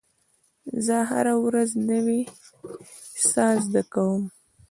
زه هره ورځ نوی څه زده کوم.